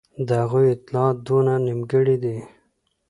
د هغوی اطلاعات دونه نیمګړي دي.